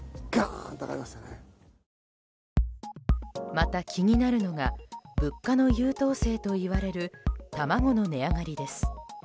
また、気になるのが物価の優等生といわれる卵の値上がりです。